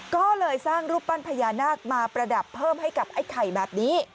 ก็เลยสร้างรูปปั้นพญานาคมาประดับเพิ่มให้กับไอ้ไข่แบบนี้